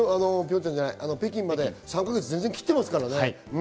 北京まで３か月切ってますからね。